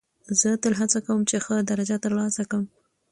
زه تل هڅه کوم، چي ښه درجه ترلاسه کم.